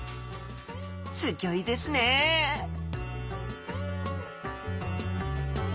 すギョいですねはい。